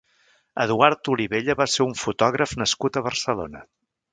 Eduard Olivella va ser un fotògraf nascut a Barcelona.